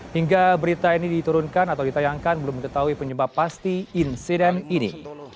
hingga berita ini diturunkan atau ditayangkan belum diketahui penyebab pasti insiden ini